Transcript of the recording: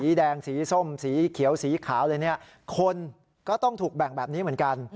แดงสีส้มสีเขียวสีขาวอะไรเนี่ยคนก็ต้องถูกแบ่งแบบนี้เหมือนกัน